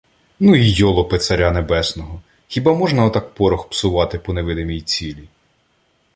— Ну і йолопи царя небесного! Хіба можна отак порох псувати по невидимій цілі?!